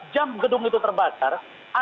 dua belas jam gedung itu terbakar